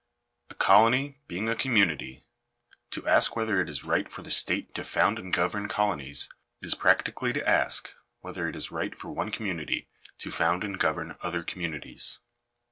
A colony being a community, to ask whether it is right for the state to found and govern colonies, is practically to ask, whether it is right for one community to found and govern other communities.